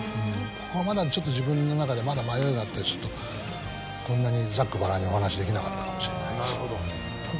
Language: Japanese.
ここがまだちょっと自分の中でまだ迷いがあったりするとこんなにざっくばらんにお話しできなかったかもしれないし。